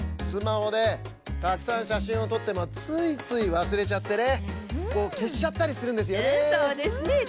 スマホでたくさんしゃしんをとってもついついわすれちゃってねけしちゃったりするんですよね。